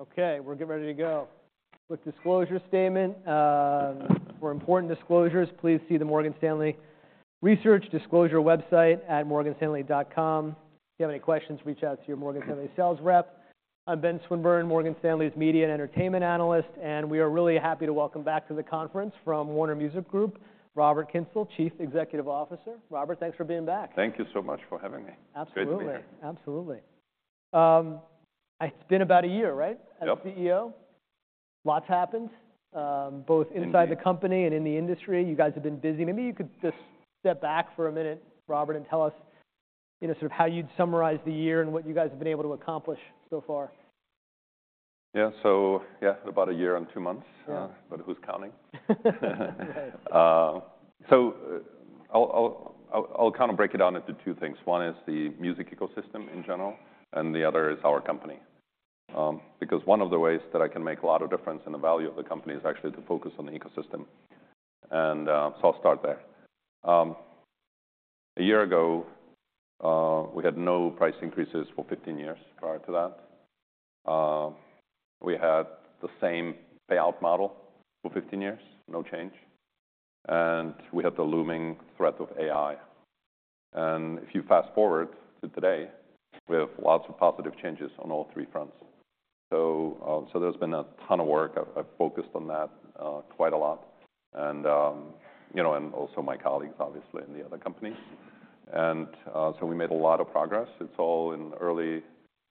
Okay, we're getting ready to go. Quick disclosure statement, for important disclosures, please see the Morgan Stanley Research Disclosure website at morganstanley.com. If you have any questions, reach out to your Morgan Stanley sales rep. I'm Ben Swinburne, Morgan Stanley's Media and Entertainment Analyst, and we are really happy to welcome back to the conference from Warner Music Group, Robert Kyncl, Chief Executive Officer. Robert, thanks for being back. Thank you so much for having me. Absolutely. Good to be here. Absolutely. It's been about a year, right, as CEO? Yep. Lots happened, both inside the company and in the industry. You guys have been busy. Maybe you could just step back for a minute, Robert, and tell us, you know, sort of how you'd summarize the year and what you guys have been able to accomplish so far. Yeah, so, yeah, about a year and 2 months. Yeah. but who's counting? Right. So, I'll kind of break it down into two things. One is the music ecosystem in general, and the other is our company. Because one of the ways that I can make a lot of difference in the value of the company is actually to focus on the ecosystem. And so I'll start there. A year ago, we had no price increases for 15 years prior to that. We had the same payout model for 15 years, no change. And we had the looming threat of AI. And if you fast forward to today, we have lots of positive changes on all three fronts. So there's been a ton of work. I've focused on that quite a lot. And you know, and also my colleagues, obviously, in the other companies. And so we made a lot of progress. It's all in early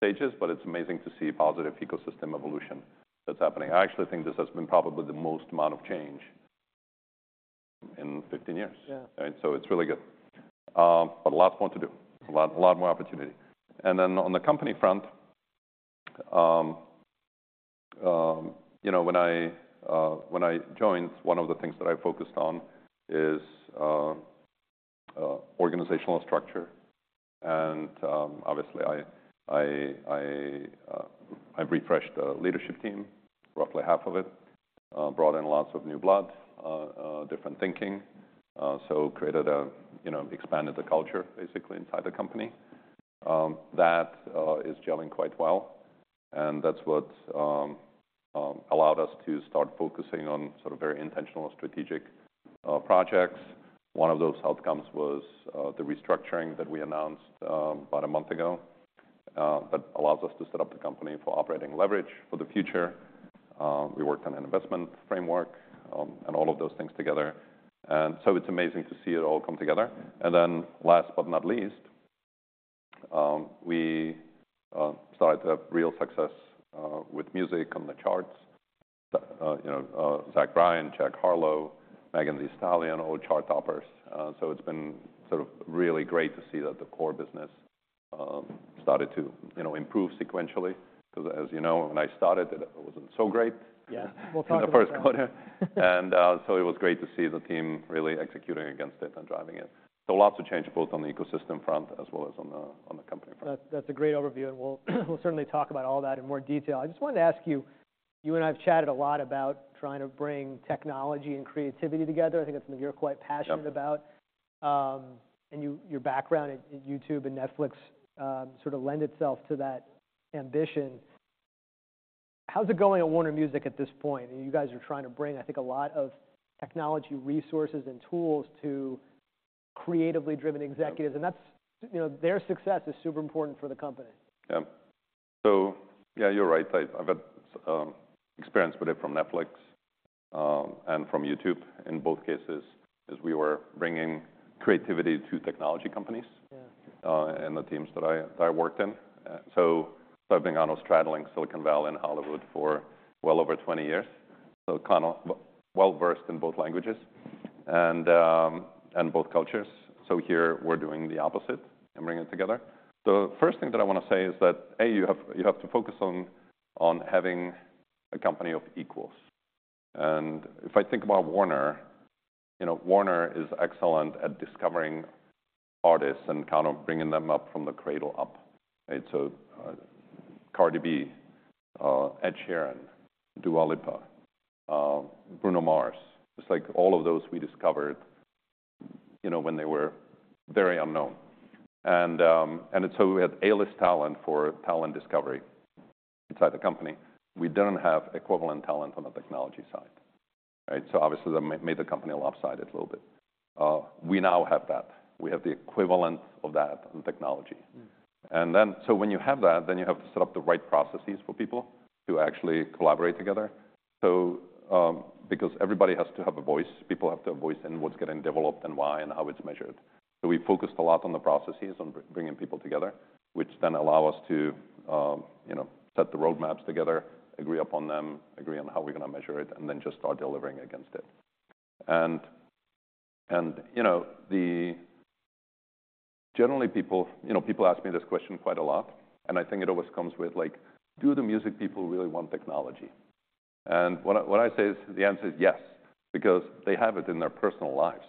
stages, but it's amazing to see positive ecosystem evolution that's happening. I actually think this has been probably the most amount of change in 15 years. Yeah. Right? So it's really good. But lots more to do, a lot, a lot more opportunity. And then on the company front, you know, when I joined, one of the things that I focused on is organizational structure. And obviously, I've refreshed the leadership team, roughly half of it, brought in lots of new blood, different thinking, so created a, you know, expanded the culture, basically, inside the company. That is gelling quite well. And that's what allowed us to start focusing on sort of very intentional strategic projects. One of those outcomes was the restructuring that we announced about a month ago that allows us to set up the company for operating leverage for the future. We worked on an investment framework, and all of those things together. And so it's amazing to see it all come together. And then last but not least, we started to have real success with music on the charts. You know, Zach Bryan, Jack Harlow, Megan Thee Stallion, all chart toppers. So it's been sort of really great to see that the core business started to, you know, improve sequentially. Because, as you know, when I started, it wasn't so great. Yeah. We'll talk about that. In the first quarter. So it was great to see the team really executing against it and driving it. So lots of change, both on the ecosystem front as well as on the company front. That's a great overview. And we'll certainly talk about all that in more detail. I just wanted to ask you, you and I have chatted a lot about trying to bring technology and creativity together. I think that's something you're quite passionate about. Yep. and you, your background at YouTube and Netflix, sort of lend itself to that ambition. How's it going at Warner Music at this point? You guys are trying to bring, I think, a lot of technology resources and tools to creatively driven executives. That's, you know, their success is super important for the company. Yeah. So, yeah, you're right. I've had experience with it from Netflix and from YouTube. In both cases, we were bringing creativity to technology companies. Yeah. and the teams that I worked in. So I've been kind of straddling Silicon Valley and Hollywood for well over 20 years. So kind of well-versed in both languages and both cultures. So here, we're doing the opposite and bringing it together. The first thing that I want to say is that a, you have to focus on having a company of equals. And if I think about Warner, you know, Warner is excellent at discovering artists and kind of bringing them up from the cradle up, right? So, Cardi B, Ed Sheeran, Dua Lipa, Bruno Mars. It's like all of those we discovered, you know, when they were very unknown. And so we had A-list talent for talent discovery inside the company. We didn't have equivalent talent on the technology side, right? So obviously, that made the company a little bit lopsided. We now have that. We have the equivalent of that in technology. And then, so when you have that, then you have to set up the right processes for people to actually collaborate together. So, because everybody has to have a voice, people have to have a voice in what's getting developed and why and how it's measured. So we focused a lot on the processes, on bringing people together, which then allow us to, you know, set the roadmaps together, agree upon them, agree on how we're going to measure it, and then just start delivering against it. And, you know, generally, people, you know, people ask me this question quite a lot. And I think it always comes with, like, do the music people really want technology? And what I say is the answer is yes, because they have it in their personal lives.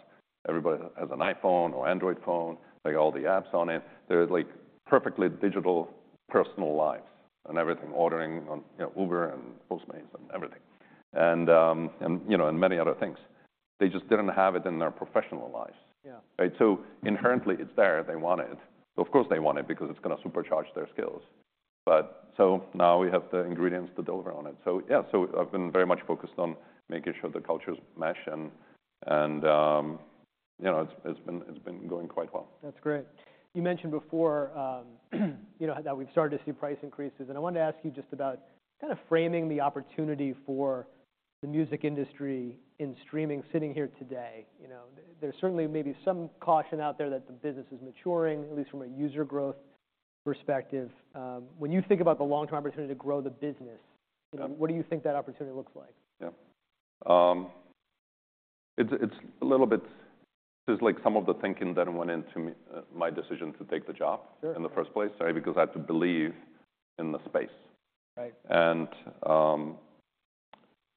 Everybody has an iPhone or Android phone. They got all the apps on it. They're, like, perfectly digital personal lives and everything, ordering on, you know, Uber and Postmates and everything. And, you know, and many other things. They just didn't have it in their professional lives. Yeah. Right? So inherently, it's there. They want it. So of course, they want it because it's going to supercharge their skills. But so now we have the ingredients to deliver on it. So yeah, so I've been very much focused on making sure the cultures mesh. And you know, it's been going quite well. That's great. You mentioned before, you know, that we've started to see price increases. I wanted to ask you just about kind of framing the opportunity for the music industry in streaming sitting here today. You know, there's certainly maybe some caution out there that the business is maturing, at least from a user growth perspective. When you think about the long-term opportunity to grow the business, you know, what do you think that opportunity looks like? Yeah. It's a little bit, like, some of the thinking that went into my decision to take the job. Sure. In the first place, right? Because I had to believe in the space. Right.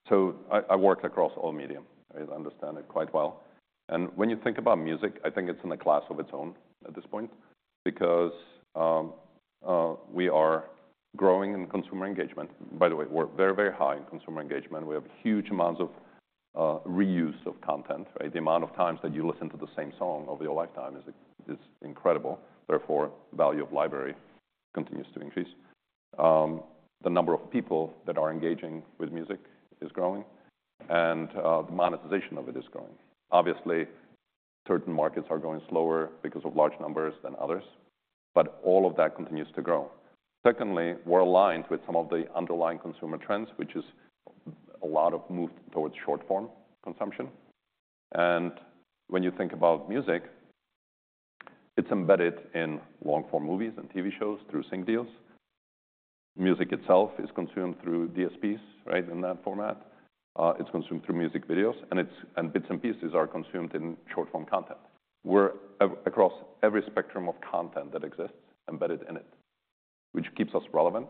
So I worked across all media, right? I understand it quite well. When you think about music, I think it's in a class of its own at this point because we are growing in consumer engagement. By the way, we're very, very high in consumer engagement. We have huge amounts of reuse of content, right? The amount of times that you listen to the same song over your lifetime is incredible. Therefore, value of library continues to increase. The number of people that are engaging with music is growing. The monetization of it is growing. Obviously, certain markets are going slower because of large numbers than others. But all of that continues to grow. Secondly, we're aligned with some of the underlying consumer trends, which is a lot of move towards short-form consumption. When you think about music, it's embedded in long-form movies and TV shows through sync deals. Music itself is consumed through DSPs, right, in that format. It's consumed through music videos. And bits and pieces are consumed in short-form content. We're everywhere across every spectrum of content that exists embedded in it, which keeps us relevant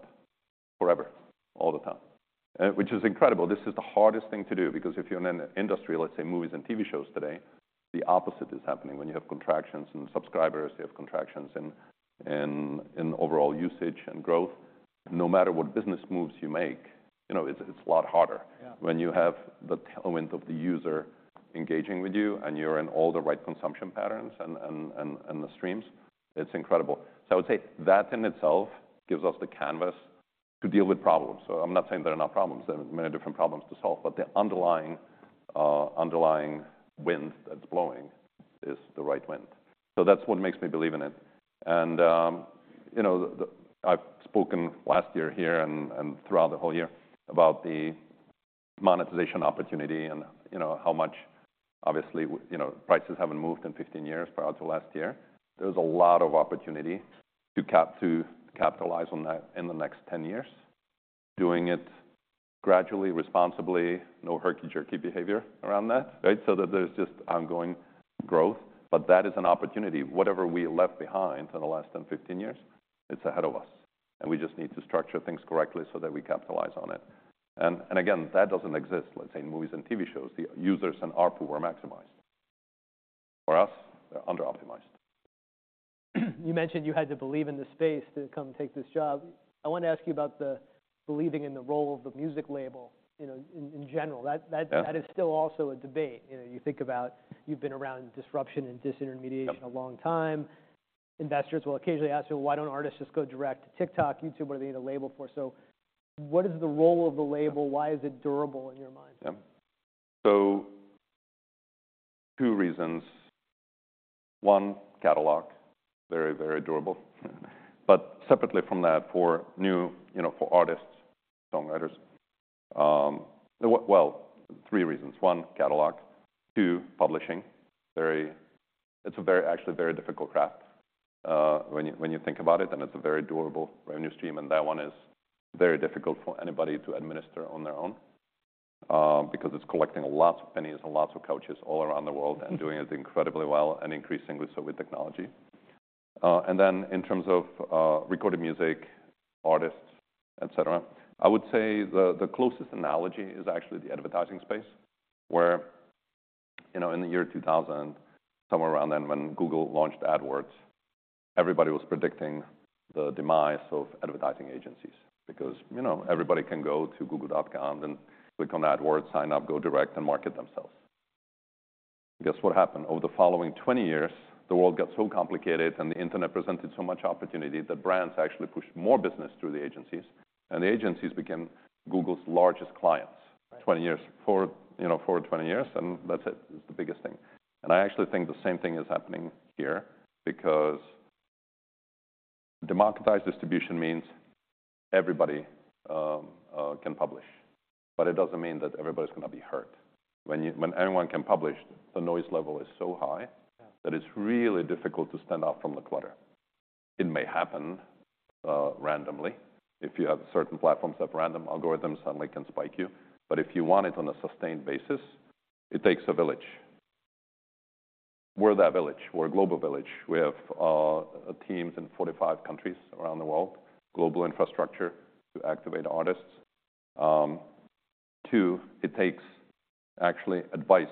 forever, all the time, which is incredible. This is the hardest thing to do. Because if you're in an industry, let's say, movies and TV shows today, the opposite is happening. When you have contractions in subscribers, you have contractions in overall usage and growth. No matter what business moves you make, you know, it's a lot harder. Yeah. When you have the tailwind of the user engaging with you, and you're in all the right consumption patterns and the streams, it's incredible. So I would say that in itself gives us the canvas to deal with problems. So I'm not saying there are not problems. There are many different problems to solve. But the underlying wind that's blowing is the right wind. So that's what makes me believe in it. And, you know, I've spoken last year here and throughout the whole year about the monetization opportunity and, you know, how much, obviously, you know, prices haven't moved in 15 years prior to last year. There's a lot of opportunity to capitalize on that in the next 10 years, doing it gradually, responsibly, no herky-jerky behavior around that, right, so that there's just ongoing growth. But that is an opportunity. Whatever we left behind in the last 10, 15 years, it's ahead of us. And we just need to structure things correctly so that we capitalize on it. And again, that doesn't exist, let's say, in movies and TV shows. The users and ARPU were maximized. For us, they're under optimized. You mentioned you had to believe in the space to come take this job. I wanted to ask you about the believing in the role of the music label, you know, in general. That is still also a debate. You know, you think about you've been around disruption and disintermediation a long time. Yep. Investors will occasionally ask you, well, why don't artists just go direct to TikTok, YouTube? What do they need a label for? So what is the role of the label? Why is it durable, in your mind? Yeah. So two reasons. One, catalog, very, very durable. But separately from that, for new, you know, for artists, songwriters, well, three reasons. One, catalog. Two, publishing. Very, it's a very actually very difficult craft, when you when you think about it. And it's a very durable revenue stream. And that one is very difficult for anybody to administer on their own, because it's collecting lots of pennies and lots of countries all around the world and doing it incredibly well and increasingly so with technology. And then in terms of recorded music, artists, et cetera, I would say the, the closest analogy is actually the advertising space, where, you know, in the year 2000, somewhere around then, when Google launched AdWords, everybody was predicting the demise of advertising agencies. Because, you know, everybody can go to google.com and click on AdWords, sign up, go direct, and market themselves. Guess what happened? Over the following 20 years, the world got so complicated, and the internet presented so much opportunity that brands actually pushed more business through the agencies. And the agencies became Google's largest clients. Right. 20 years, you know, for 20 years. And that's it. It's the biggest thing. And I actually think the same thing is happening here because democratized distribution means everybody can publish. But it doesn't mean that everybody's going to be hurt. When anyone can publish, the noise level is so high that it's really difficult to stand out from the clutter. It may happen randomly. If you have certain platforms that have random algorithms, suddenly it can spike you. But if you want it on a sustained basis, it takes a village. We're that village. We're a global village. We have teams in 45 countries around the world, global infrastructure to activate artists. Two, it takes actually advice,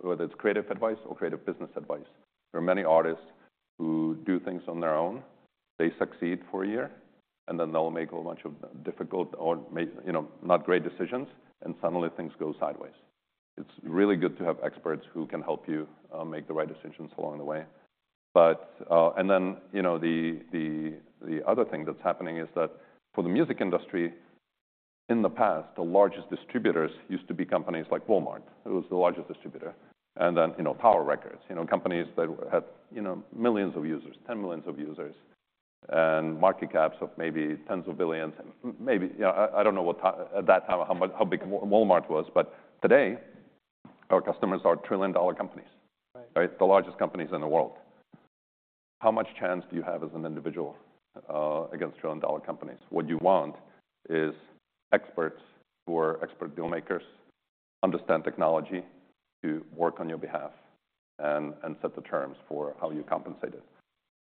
whether it's creative advice or creative business advice. There are many artists who do things on their own. They succeed for a year. Then they'll make a bunch of difficult, or maybe, you know, not great decisions. Suddenly, things go sideways. It's really good to have experts who can help you make the right decisions along the way. But then, you know, the other thing that's happening is that for the music industry, in the past, the largest distributors used to be companies like Walmart, who was the largest distributor, and then, you know, Tower Records, you know, companies that had, you know, millions of users, 10 million users, and market caps of maybe tens of billions. Maybe, you know, I don't know what it was at that time, how big Walmart was. But today, our customers are trillion-dollar companies. Right. Right? The largest companies in the world. How much chance do you have as an individual, against trillion-dollar companies? What you want is experts who are expert dealmakers understand technology to work on your behalf and, and set the terms for how you compensate it.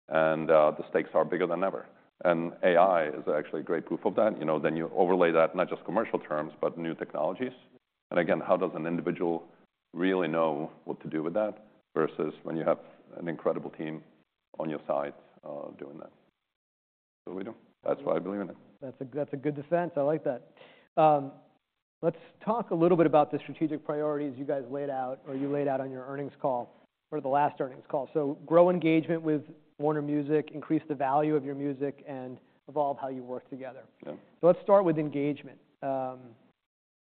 And, the stakes are bigger than ever. And AI is actually a great proof of that. You know, then you overlay that, not just commercial terms, but new technologies. And again, how does an individual really know what to do with that versus when you have an incredible team on your side, doing that? So we do. That's why I believe in it. That's a good defense. I like that. Let's talk a little bit about the strategic priorities you guys laid out or you laid out on your earnings call or the last earnings call. So grow engagement with Warner Music, increase the value of your music, and evolve how you work together. Yeah. So let's start with engagement.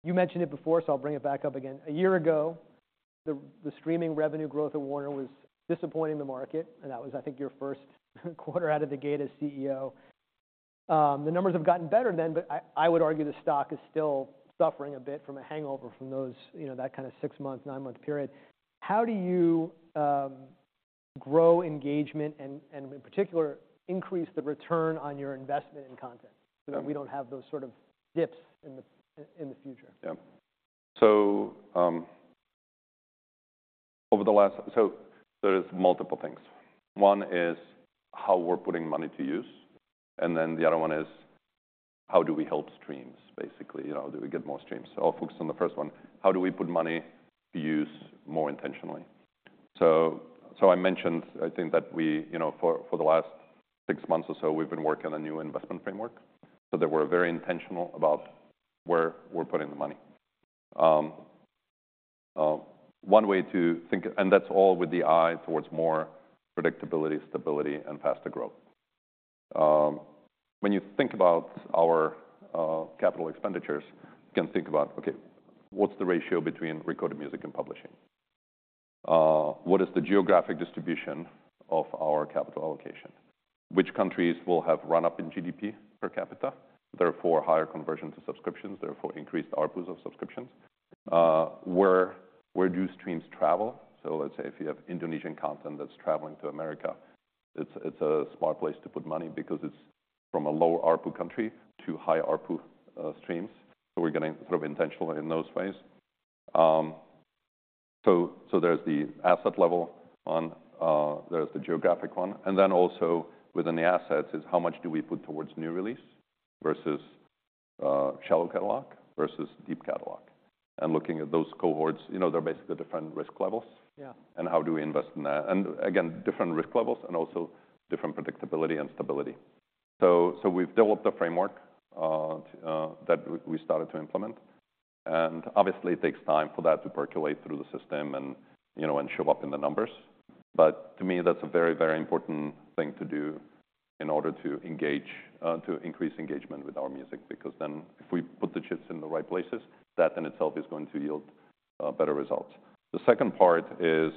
You mentioned it before, so I'll bring it back up again. A year ago, the streaming revenue growth at Warner was disappointing the market. And that was, I think, your first quarter out of the gate as CEO. The numbers have gotten better than. But I would argue the stock is still suffering a bit from a hangover from those, you know, that kind of six-month, nine-month period. How do you grow engagement and, in particular, increase the return on your investment in content so that we don't have those sort of dips in the future? Yeah. So, over the last, so there's multiple things. One is how we're putting money to use. And then the other one is how do we help streams, basically, you know, do we get more streams? So I'll focus on the first one. How do we put money to use more intentionally? So, I mentioned, I think, that we, you know, for the last six months or so, we've been working on a new investment framework. So that we're very intentional about where we're putting the money. One way to think and that's all with the eye towards more predictability, stability, and faster growth. When you think about our capital expenditures, you can think about, OK, what's the ratio between recorded music and publishing? What is the geographic distribution of our capital allocation? Which countries will have run-up in GDP per capita, therefore higher conversion to subscriptions, therefore increased ARPUs of subscriptions? Where, where do streams travel? So let's say if you have Indonesian content that's traveling to America, it's a smart place to put money because it's from a low ARPU country to high ARPU streams. So we're getting sort of intentional in those ways. So there's the asset level one. There's the geographic one. And then also within the assets is how much do we put towards new release versus shallow catalog versus deep catalog? And looking at those cohorts, you know, they're basically different risk levels. Yeah. And how do we invest in that? And again, different risk levels and also different predictability and stability. So we've developed a framework that we started to implement. And obviously, it takes time for that to percolate through the system and, you know, and show up in the numbers. But to me, that's a very, very important thing to do in order to engage, to increase engagement with our music. Because then if we put the chips in the right places, that in itself is going to yield better results. The second part is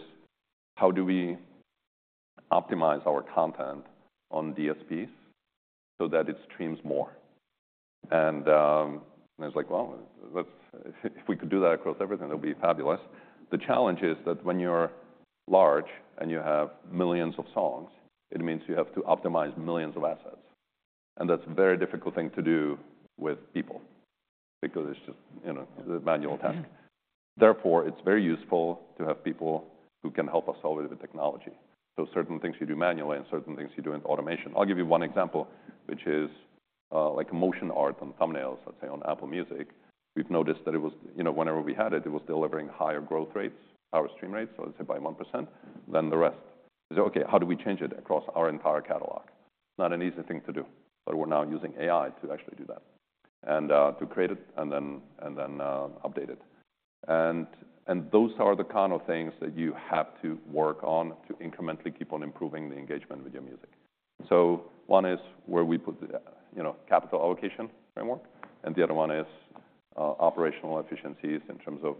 how do we optimize our content on DSPs so that it streams more? And it's like, well, let's if we could do that across everything, that would be fabulous. The challenge is that when you're large and you have millions of songs, it means you have to optimize millions of assets. That's a very difficult thing to do with people because it's just, you know, a manual task. Therefore, it's very useful to have people who can help us solve it with technology. So certain things you do manually and certain things you do in automation. I'll give you one example, which is, like, emotional art on thumbnails, let's say, on Apple Music. We've noticed that it was, you know, whenever we had it, it was delivering higher growth rates, our stream rates, so let's say by 1% than the rest. We said, OK, how do we change it across our entire catalog? It's not an easy thing to do. But we're now using AI to actually do that and to create it and then update it. Those are the kind of things that you have to work on to incrementally keep on improving the engagement with your music. So one is where we put the, you know, capital allocation framework. And the other one is operational efficiencies in terms of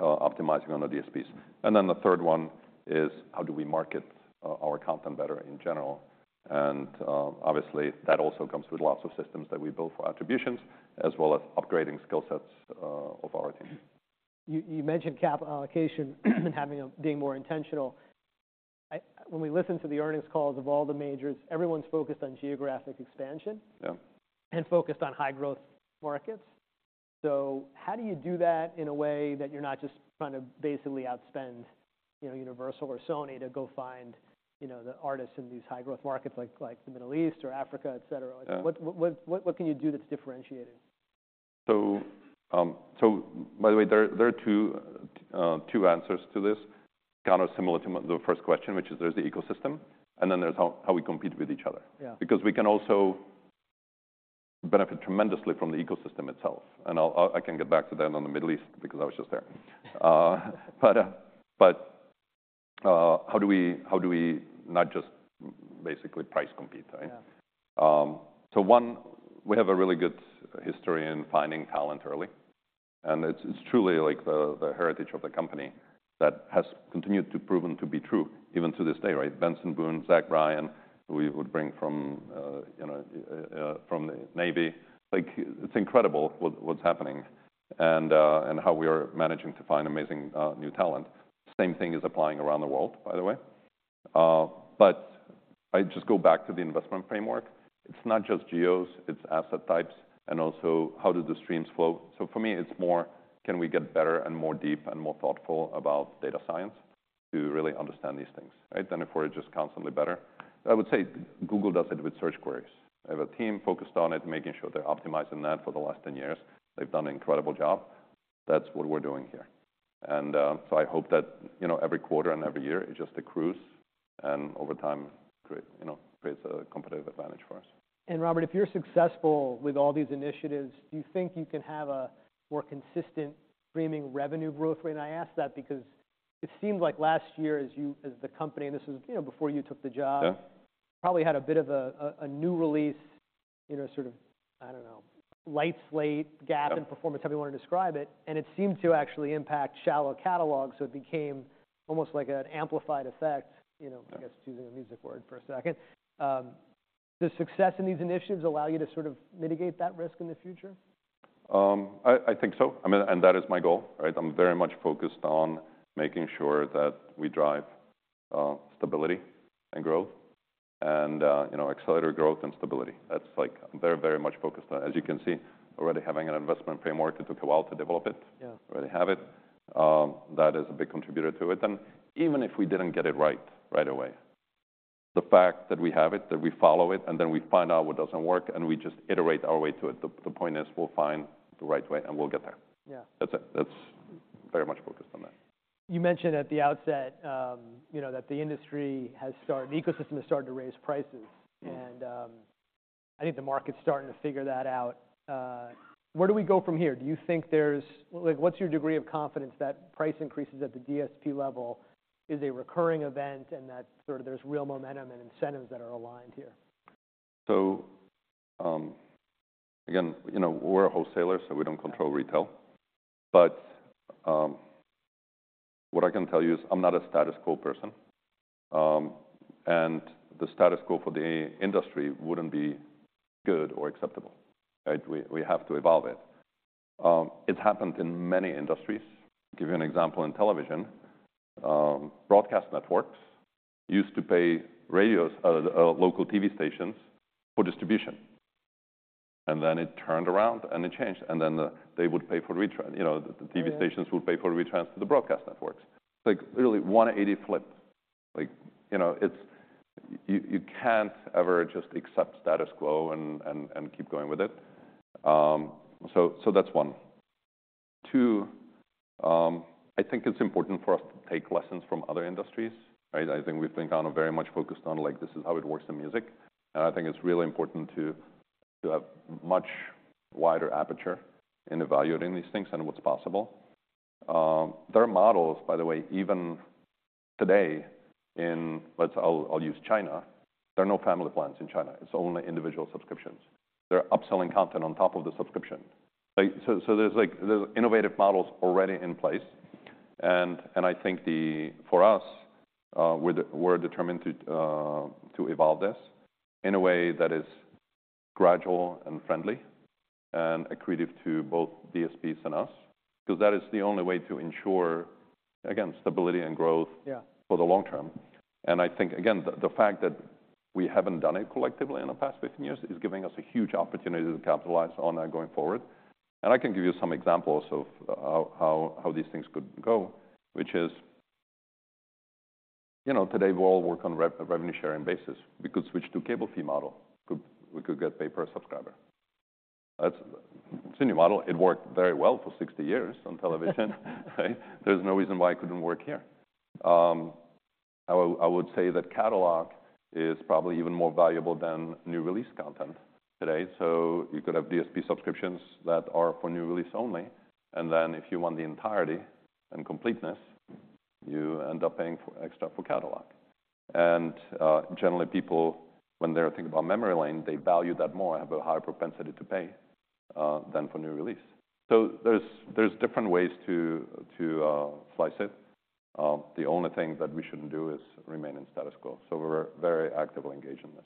optimizing on the DSPs. And then the third one is how do we market our content better in general? And obviously, that also comes with lots of systems that we build for attributions as well as upgrading skill sets of our team. You mentioned capital allocation and having to be more intentional. When we listen to the earnings calls of all the majors, everyone's focused on geographic expansion. Yeah. Focused on high-growth markets. How do you do that in a way that you're not just trying to basically outspend, you know, Universal or Sony to go find, you know, the artists in these high-growth markets like, like the Middle East or Africa, et cetera? Yeah. What can you do that's differentiating? So, by the way, there are two answers to this, kind of similar to the first question, which is there's the ecosystem. And then there's how we compete with each other. Yeah. Because we can also benefit tremendously from the ecosystem itself. And I'll get back to that on the Middle East because I was just there. But how do we not just basically price compete, right? Yeah. So, one, we have a really good history in finding talent early. And it's, it's truly like the, the heritage of the company that has continued to proven to be true even to this day, right? Benson Boone, Zach Bryan, who we would bring from, you know, from the Navy. Like, it's incredible what, what's happening and, and how we are managing to find amazing, new talent. Same thing is applying around the world, by the way. But I just go back to the investment framework. It's not just geos. It's asset types and also how do the streams flow? So for me, it's more, can we get better and more deep and more thoughtful about data science to really understand these things, right, than if we're just constantly better? I would say Google does it with search queries. I have a team focused on it, making sure they're optimizing that for the last 10 years. They've done an incredible job. That's what we're doing here. And so I hope that, you know, every quarter and every year, it just accrues. And over time, create, you know, creates a competitive advantage for us. And Robert, if you're successful with all these initiatives, do you think you can have a more consistent streaming revenue growth rate? And I ask that because it seemed like last year, as you as the company and this was, you know, before you took the job. Yeah. Probably had a bit of a new release, you know, sort of, I don't know, light slate gap in performance, however you want to describe it. And it seemed to actually impact shallow catalog. So it became almost like an amplified effect, you know, I guess choosing a music word for a second. Does success in these initiatives allow you to sort of mitigate that risk in the future? I think so. I mean, and that is my goal, right? I'm very much focused on making sure that we drive stability and growth and, you know, accelerate growth and stability. That's like I'm very, very much focused on. As you can see, already having an investment framework. It took a while to develop it. Yeah. Already have it. That is a big contributor to it. And even if we didn't get it right right away, the fact that we have it, that we follow it, and then we find out what doesn't work, and we just iterate our way to it, the point is we'll find the right way, and we'll get there. Yeah. That's it. That's very much focused on that. You mentioned at the outset, you know, that the industry has started. The ecosystem is starting to raise prices. I think the market's starting to figure that out. Where do we go from here? Do you think there's like, what's your degree of confidence that price increases at the DSP level is a recurring event and that sort of there's real momentum and incentives that are aligned here? So, again, you know, we're a wholesaler, so we don't control retail. But what I can tell you is I'm not a status quo person, and the status quo for the industry wouldn't be good or acceptable, right? We, we have to evolve it. It's happened in many industries. I'll give you an example in television. Broadcast networks used to pay radios, local TV stations for distribution. And then it turned around, and it changed. And then they would pay for retrans, you know, the TV stations would pay for retrans to the broadcast networks. It's like literally 180 flips. Like, you know, it's you, you can't ever just accept status quo and, and, and keep going with it. So, so that's one. Two, I think it's important for us to take lessons from other industries, right? I think we've been kind of very much focused on, like, this is how it works in music. And I think it's really important to have much wider aperture in evaluating these things and what's possible. There are models, by the way, even today. I'll use China. There are no family plans in China. It's only individual subscriptions. They're upselling content on top of the subscription. Like, so, there's innovative models already in place. And I think then, for us, we're determined to evolve this in a way that is gradual and friendly and accretive to both DSPs and us because that is the only way to ensure, again, stability and growth. Yeah. For the long term. I think, again, the fact that we haven't done it collectively in the past 15 years is giving us a huge opportunity to capitalize on that going forward. I can give you some examples of how these things could go, which is, you know, today, we all work on revenue-sharing basis. We could switch to cable fee model. We could get pay per subscriber. That's a new model. It worked very well for 60 years on television, right? There's no reason why it couldn't work here. I would say that catalog is probably even more valuable than new release content today. So you could have DSP subscriptions that are for new release only. And then if you want the entirety and completeness, you end up paying extra for catalog. Generally, people, when they're thinking about memory lane, they value that more and have a higher propensity to pay than for new release. So there's different ways to slice it. The only thing that we shouldn't do is remain in status quo. So we're very actively engaged in this.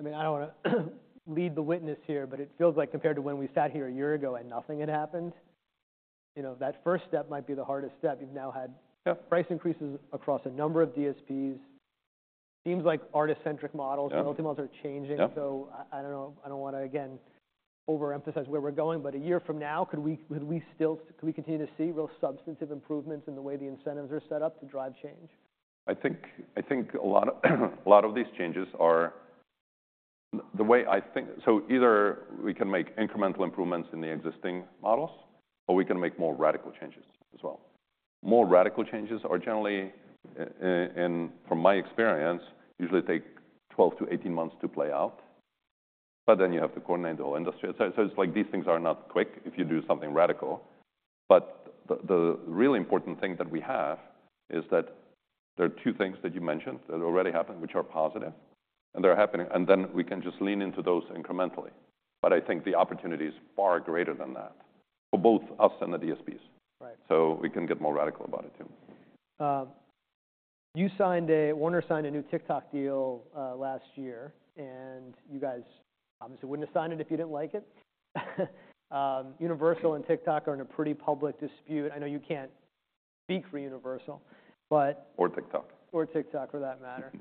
I mean, I don't want to lead the witness here. But it feels like compared to when we sat here a year ago and nothing had happened, you know, that first step might be the hardest step. You've now had. Yeah. Price increases across a number of DSPs. Seems like artist-centric models. Yeah. Multi-models are changing. So I, I don't know. I don't want to, again, overemphasize where we're going. But a year from now, could we could we still could we continue to see real substantive improvements in the way the incentives are set up to drive change? I think, I think a lot of a lot of these changes are the way I think so either we can make incremental improvements in the existing models, or we can make more radical changes as well. More radical changes are generally, from my experience, usually take 12-18 months to play out. But then you have to coordinate the whole industry. So, so it's like these things are not quick if you do something radical. But the really important thing that we have is that there are two things that you mentioned that already happened, which are positive. And they're happening. And then we can just lean into those incrementally. But I think the opportunity is far greater than that for both us and the DSPs. Right. We can get more radical about it too. You signed a Warner signed a new TikTok deal last year. You guys obviously wouldn't have signed it if you didn't like it. Universal and TikTok are in a pretty public dispute. I know you can't speak for Universal. But. Or TikTok. Or TikTok for that matter.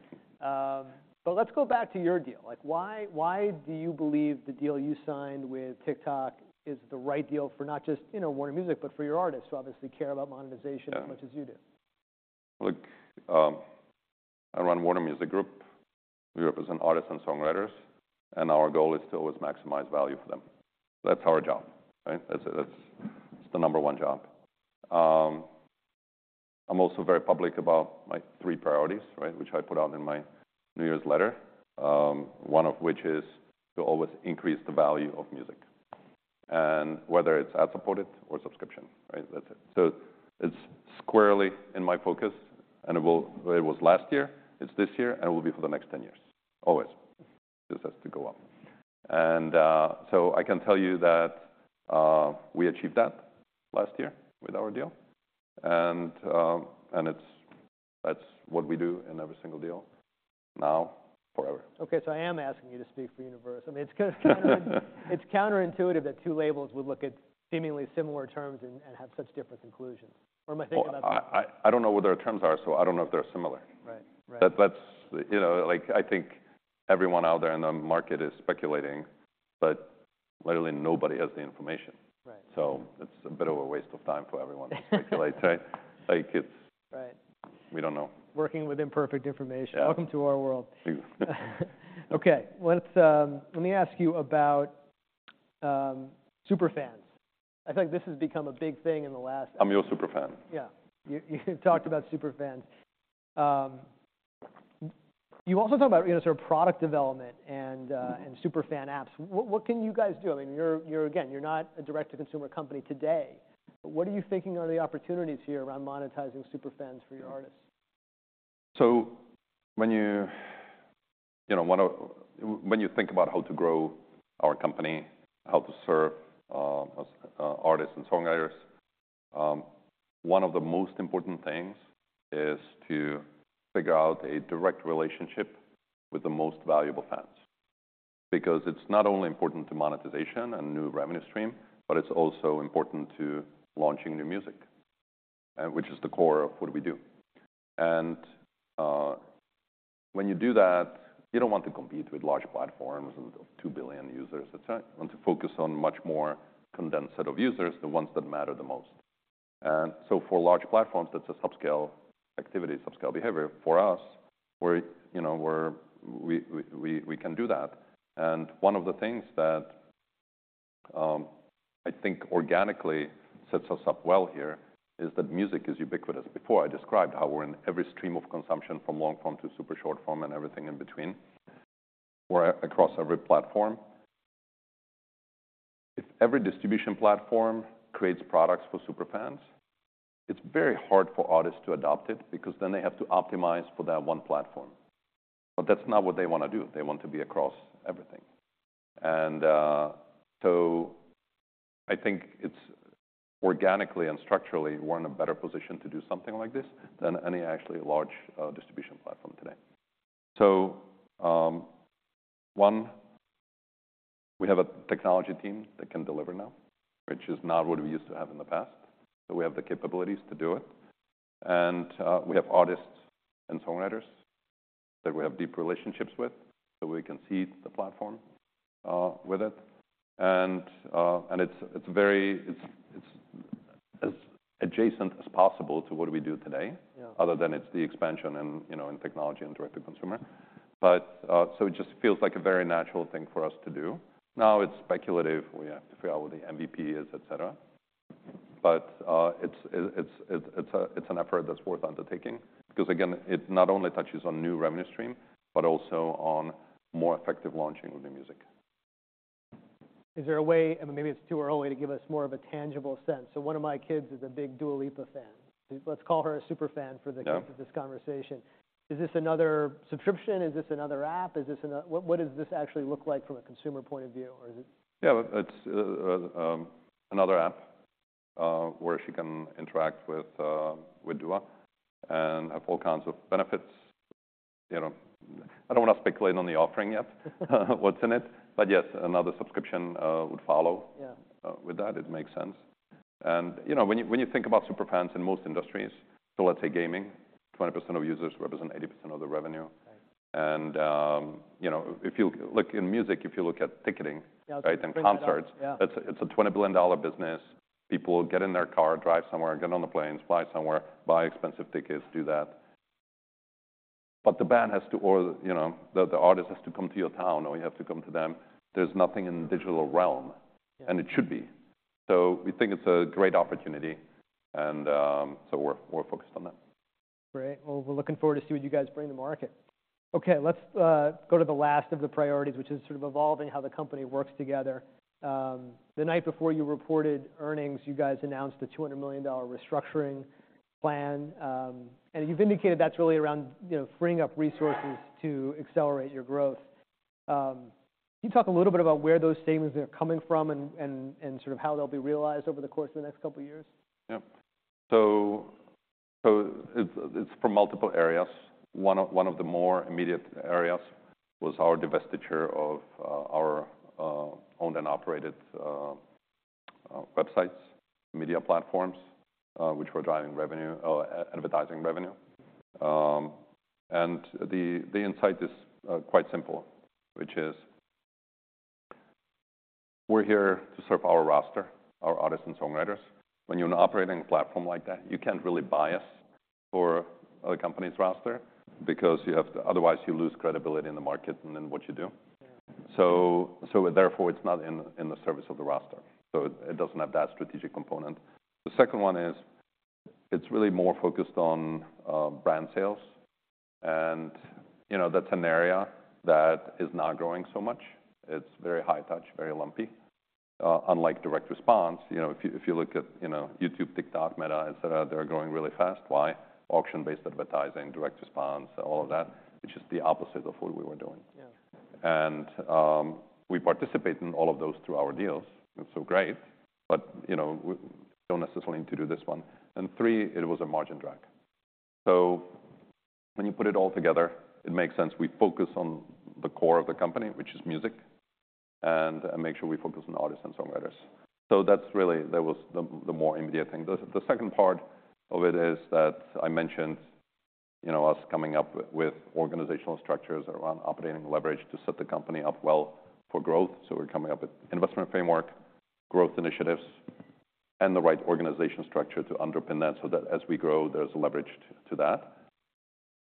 But let's go back to your deal. Like, why, why do you believe the deal you signed with TikTok is the right deal for not just, you know, Warner Music, but for your artists who obviously care about monetization as much as you do? Yeah. Look, I run Warner Music Group. We represent artists and songwriters. Our goal is to always maximize value for them. That's our job, right? That's, it's the number one job. I'm also very public about my three priorities, right, which I put out in my New Year's letter, one of which is to always increase the value of music and whether it's ad-supported or subscription, right? That's it. So it's squarely in my focus. And it was last year. It's this year. And it will be for the next 10 years, always. It just has to go up. And so I can tell you that we achieved that last year with our deal. And it's what we do in every single deal now forever. OK. So I am asking you to speak for Universal. I mean, it's kind of counterintuitive that two labels would look at seemingly similar terms and have such different conclusions. What am I thinking about that? Well, I don't know what their terms are. So I don't know if they're similar. Right. Right. That, that's you know, like, I think everyone out there in the market is speculating. But literally, nobody has the information. Right. It's a bit of a waste of time for everyone to speculate, right? Like, it's. Right. We don't know. Working with imperfect information. Welcome to our world. You. OK. Let me ask you about Superfans. I feel like this has become a big thing in the last. I'm your Superfan. Yeah. You, you talked about Superfans. You also talk about, you know, sort of product development and, and Superfan apps. What, what can you guys do? I mean, you're, you're again, you're not a direct-to-consumer company today. But what are you thinking are the opportunities here around monetizing Superfans for your artists? So when you, you know, think about how to grow our company, how to serve artists and songwriters, one of the most important things is to figure out a direct relationship with the most valuable fans because it's not only important to monetization and new revenue stream, but it's also important to launching new music, which is the core of what we do. When you do that, you don't want to compete with large platforms and 2 billion users, et cetera. You want to focus on a much more condensed set of users, the ones that matter the most. For large platforms, that's a subscale activity, subscale behavior. For us, we're, you know, we can do that. One of the things that I think organically sets us up well here is that music is ubiquitous. Before, I described how we're in every stream of consumption, from long-form to super short-form and everything in between. We're across every platform. If every distribution platform creates products for Superfans, it's very hard for artists to adopt it because then they have to optimize for that one platform. But that's not what they want to do. They want to be across everything. And, so I think it's organically and structurally, we're in a better position to do something like this than any actually large, distribution platform today. So, one, we have a technology team that can deliver now, which is not what we used to have in the past. So we have the capabilities to do it. And, we have artists and songwriters that we have deep relationships with so we can seed the platform, with it. It's very, it's as adjacent as possible to what we do today. Yeah. Other than it's the expansion and, you know, in technology and direct-to-consumer. But, so it just feels like a very natural thing for us to do. Now, it's speculative. We have to figure out what the MVP is, et cetera. But, it's an effort that's worth undertaking because, again, it not only touches on new revenue stream, but also on more effective launching of new music. Is there a way? I mean, maybe it's too early to give us more of a tangible sense. So one of my kids is a big Dua Lipa fan. Let's call her a Superfan for the. Yeah. Kind of this conversation. Is this another subscription? Is this another app? Is this another what? What does this actually look like from a consumer point of view? Or is it. Yeah. It's another app where she can interact with Dua and have all kinds of benefits. You know, I don't want to speculate on the offering yet, what's in it. But yes, another subscription would follow. Yeah. with that. It makes sense. And, you know, when you think about Superfans in most industries, so let's say gaming, 20% of users represent 80% of the revenue. Right. You know, if you look in music, if you look at ticketing, right, and concerts. Yeah. It's a $20 billion business. People get in their car, drive somewhere, get on the planes, fly somewhere, buy expensive tickets, do that. But the band has to or, you know, the artist has to come to your town, or you have to come to them. There's nothing in the digital realm. Yeah. And it should be. So we think it's a great opportunity. And so we're focused on that. Great. Well, we're looking forward to see what you guys bring to market. OK. Let's go to the last of the priorities, which is sort of evolving how the company works together. The night before you reported earnings, you guys announced a $200 million restructuring plan. And you've indicated that's really around, you know, freeing up resources to accelerate your growth. Can you talk a little bit about where those savings are coming from and sort of how they'll be realized over the course of the next couple of years? Yeah. So it's from multiple areas. One of the more immediate areas was our divestiture of our owned and operated websites, media platforms, which were driving revenue or advertising revenue. The insight is quite simple, which is we're here to serve our roster, our artists and songwriters. When you're an operating platform like that, you can't really bias for other companies' roster because otherwise you lose credibility in the market and in what you do. Yeah. So, therefore, it's not in the service of the roster. So it doesn't have that strategic component. The second one is it's really more focused on brand sales. And, you know, that's an area that is not growing so much. It's very high touch, very lumpy, unlike direct response. You know, if you look at, you know, YouTube, TikTok, Meta, et cetera, they're growing really fast. Why? Auction-based advertising, direct response, all of that, which is the opposite of what we were doing. Yeah. We participate in all of those through our deals. It's so great. But, you know, we don't necessarily need to do this one. And three, it was a margin drag. So when you put it all together, it makes sense. We focus on the core of the company, which is music, and make sure we focus on artists and songwriters. So that's really the more immediate thing. The second part of it is that I mentioned, you know, us coming up with organizational structures around operating leverage to set the company up well for growth. So we're coming up with investment framework, growth initiatives, and the right organization structure to underpin that so that as we grow, there's leverage to that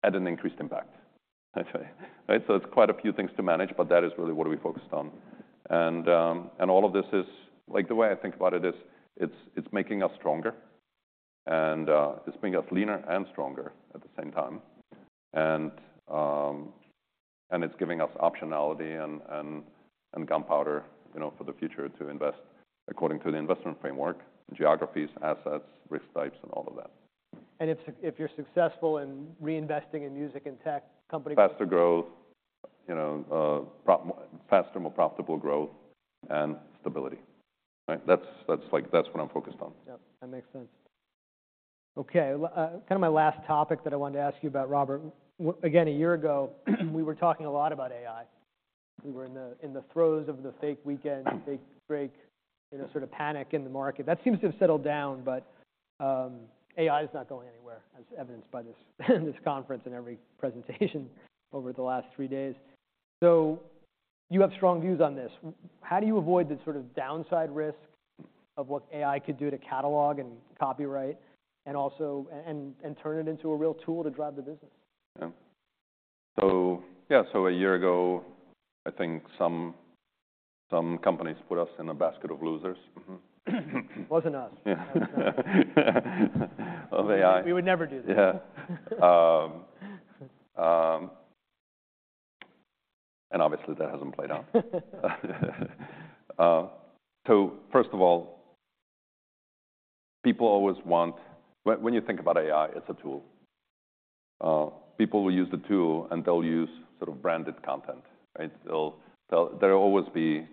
at an increased impact, right? So it's quite a few things to manage. But that is really what we focused on. And all of this is like, the way I think about it is it's making us stronger. And it's making us leaner and stronger at the same time. And it's giving us optionality and gunpowder, you know, for the future to invest according to the investment framework, geographies, assets, risk types, and all of that. If you're successful in reinvesting in music and tech company. Faster growth, you know, for faster more profitable growth and stability, right? That's like what I'm focused on. Yeah. That makes sense. OK. Kind of my last topic that I wanted to ask you about, Robert. Again, a year ago, we were talking a lot about AI. We were in the throes of the Fake Weekend, Fake Drake, you know, sort of panic in the market. That seems to have settled down. But AI is not going anywhere, as evidenced by this conference and every presentation over the last three days. So you have strong views on this. How do you avoid the sort of downside risk of what AI could do to catalog and copyright and also turn it into a real tool to drive the business? Yeah. So a year ago, I think some companies put us in a basket of losers. Wasn't us. Yeah. Of AI. We would never do this. Yeah. And obviously, that hasn't played out. So first of all, people always want, when you think about AI, it's a tool. People will use the tool. And they'll use sort of branded content, right? They'll, they'll—there'll always be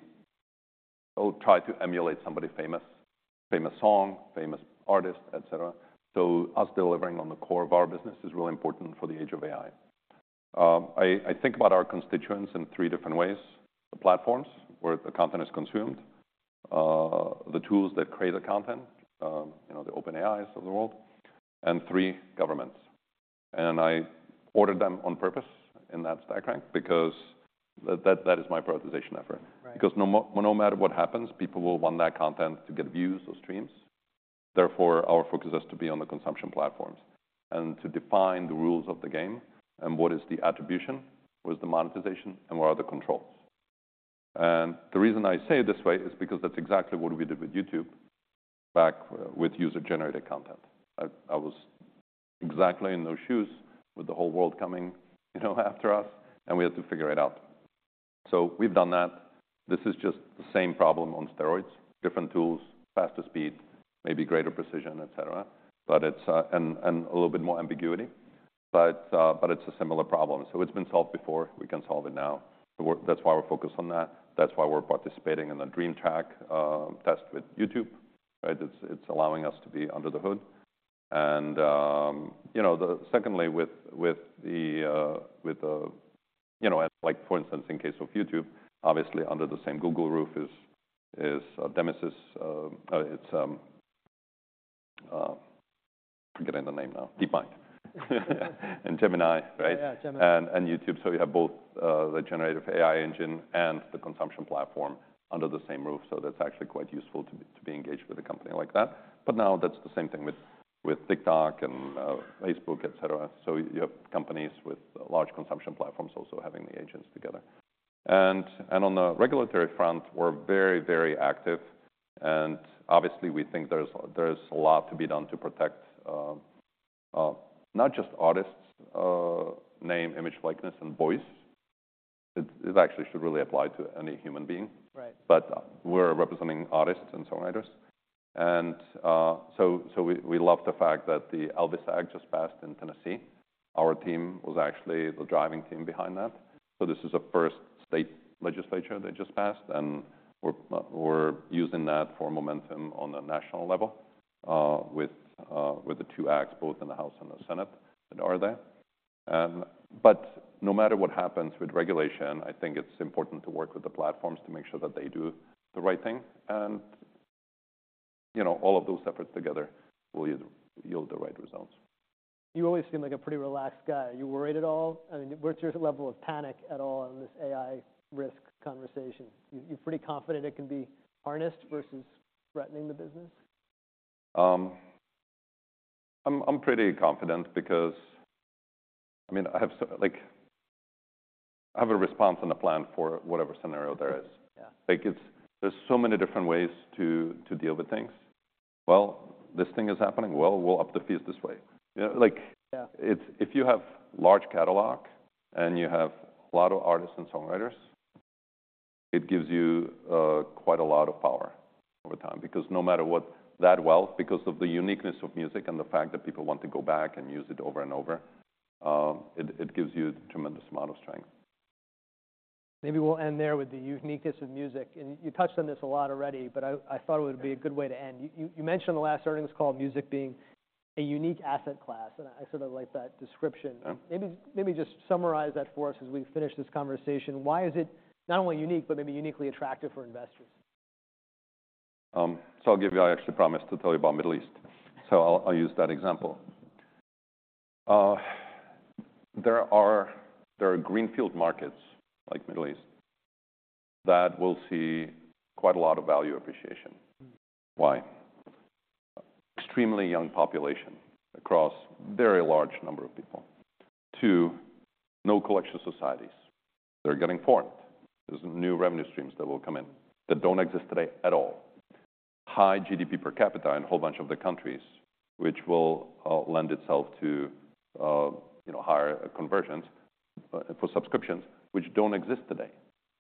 they'll try to emulate somebody famous, famous song, famous artist, et cetera. So us delivering on the core of our business is really important for the age of AI. I think about our constituents in three different ways: the platforms where the content is consumed, the tools that create the content, you know, the OpenAIs of the world, and three, governments. And I ordered them on purpose in that stack rank because that, that, that is my prioritization effort. Right. Because no matter what happens, people will want that content to get views or streams. Therefore, our focus has to be on the consumption platforms and to define the rules of the game and what is the attribution, what is the monetization, and what are the controls. And the reason I say it this way is because that's exactly what we did with YouTube back with user-generated content. I was exactly in those shoes with the whole world coming, you know, after us. And we had to figure it out. So we've done that. This is just the same problem on steroids, different tools, faster speed, maybe greater precision, et cetera. But it's a little bit more ambiguity. But it's a similar problem. So it's been solved before. We can solve it now. That's why we're focused on that. That's why we're participating in the Dream Track test with YouTube, right? It's allowing us to be under the hood. And you know, secondly, with the you know, and like, for instance, in case of YouTube, obviously, under the same Google roof is Gemini, it's forgetting the name now, DeepMind and Gemini, right? Yeah. Gemini. YouTube. So you have both the generative AI engine and the consumption platform under the same roof. So that's actually quite useful to be engaged with a company like that. But now, that's the same thing with TikTok and Facebook, et cetera. So you have companies with large consumption platforms also having the agents together. And on the regulatory front, we're very active. And obviously, we think there's a lot to be done to protect not just artists' name, image, likeness, and voice. It actually should really apply to any human being. Right. But we're representing artists and songwriters. So we love the fact that the ELVIS Act just passed in Tennessee. Our team was actually the driving team behind that. So this is a first state legislature that just passed. And we're using that for momentum on a national level, with the two acts, both in the House and the Senate, that are there. But no matter what happens with regulation, I think it's important to work with the platforms to make sure that they do the right thing. You know, all of those efforts together will yield the right results. You always seem like a pretty relaxed guy. Are you worried at all? I mean, what's your level of panic at all in this AI risk conversation? You're pretty confident it can be harnessed versus threatening the business? I'm pretty confident because, I mean, I have so, like, I have a response and a plan for whatever scenario there is. Yeah. Like, it's, there's so many different ways to deal with things. Well, this thing is happening. Well, we'll up the fees this way. You know, like. Yeah. It's if you have large catalog and you have a lot of artists and songwriters. It gives you quite a lot of power over time because no matter what that wealth, because of the uniqueness of music and the fact that people want to go back and use it over and over, it gives you a tremendous amount of strength. Maybe we'll end there with the uniqueness of music. And you touched on this a lot already. But I thought it would be a good way to end. You mentioned in the last earnings call music being a unique asset class. And I sort of like that description. Yeah. Maybe, maybe just summarize that for us as we finish this conversation. Why is it not only unique, but maybe uniquely attractive for investors? So I'll give you. I actually promised to tell you about Middle East. So I'll, I'll use that example. There are, there are greenfield markets like Middle East that will see quite a lot of value appreciation. Why? Extremely young population across a very large number of people. Two, no collective societies. They're getting formed. There's new revenue streams that will come in that don't exist today at all, high GDP per capita in a whole bunch of the countries, which will, lend itself to, you know, higher conversions for subscriptions, which don't exist today,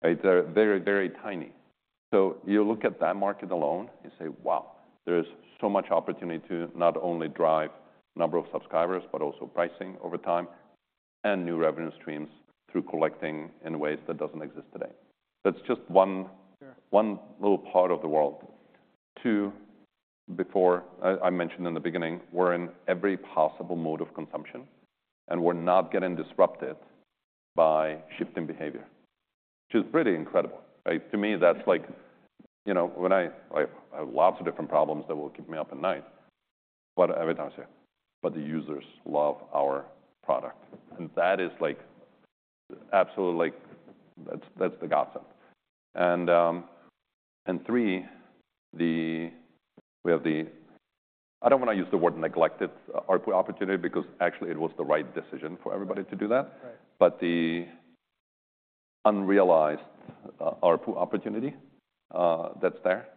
right? They're very, very tiny. So you look at that market alone, you say, wow, there is so much opportunity to not only drive number of subscribers but also pricing over time and new revenue streams through collecting in ways that doesn't exist today. That's just one. Sure. One little part of the world. Two, before, I mentioned in the beginning, we're in every possible mode of consumption. And we're not getting disrupted by shifting behavior, which is pretty incredible, right? To me, that's like, you know, when I have lots of different problems that will keep me up at night, but every time I say, but the users love our product. And that is like absolutely like that's, that's the godsend. And three, we have the – I don't want to use the word neglected ARPU opportunity because actually, it was the right decision for everybody to do that. Right. But the unrealized ARPU opportunity, that's there.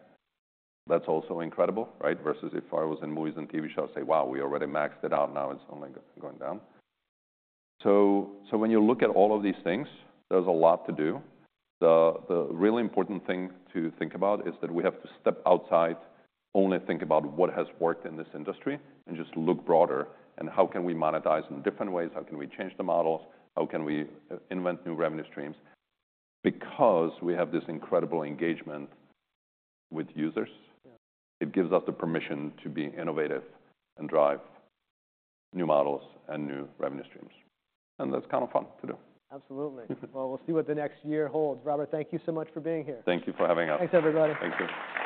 That's also incredible, right? Versus if I was in movies and TV shows, say, wow, we already maxed it out. Now, it's only going down. So when you look at all of these things, there's a lot to do. The really important thing to think about is that we have to step outside, only think about what has worked in this industry, and just look broader. And how can we monetize in different ways? How can we change the models? How can we invent new revenue streams? Because we have this incredible engagement with users, it gives us the permission to be innovative and drive new models and new revenue streams. And that's kind of fun to do. Absolutely. Well, we'll see what the next year holds. Robert, thank you so much for being here. Thank you for having us. Thanks, everybody. Thank you.